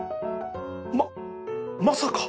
まっまさか